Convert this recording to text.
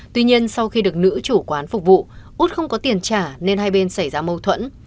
tuy nhiên sau khi được nữ chủ quán phục vụ út không có tiền trả nên hai bên xảy ra mâu thuẫn